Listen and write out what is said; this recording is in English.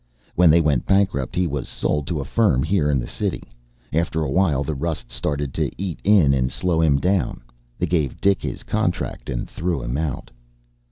"When they went bankrupt he was sold to a firm here in the city. After a while the rust started to eat in and slow him down, they gave Dik his contract and threw him out."